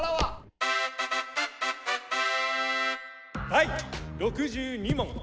・第６２問！